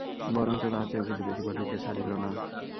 বরঞ্চ তাহার চেয়েও কিছু বেশি বলিতে ছাড়িল না।